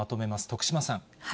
徳島さん。